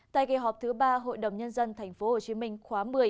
tại kỳ họp thứ ba hội đồng nhân dân tp hcm khóa một mươi